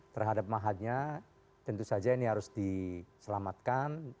terhadap mahatnya tentu saja ini harus diselamatkan